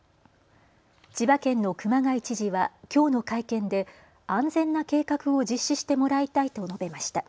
千葉県の熊谷知事はきょうの会見で安全な計画を実施してもらいたいと述べました。